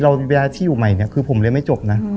เราเวลาที่อยู่ใหม่คือผมเรียนไม่จบนะ